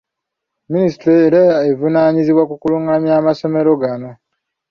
Minisitule era evunaanyizibwa ku kulungamya amasomero gano.